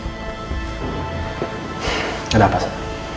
gak ada apa apa